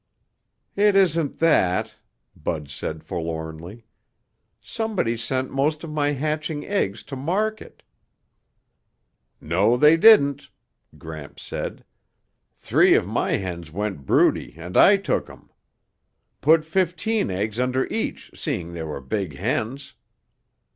"It isn't that," Bud said forlornly. "Somebody sent most of my hatching eggs to market." "No they didn't," Gramps said. "Three of my hens went broody and I took 'em. Put fifteen eggs under each, seeing they were big hens."